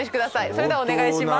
それではお願いします